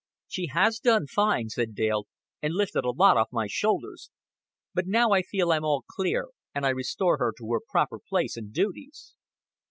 "She has done fine," said Dale, "and lifted a lot off my shoulders. But now I feel I'm all clear, and I restore her to her proper place and duties."